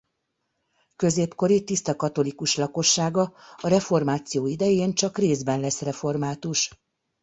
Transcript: Középkori tiszta katolikus lakossága a reformáció idején csak részben lesz református.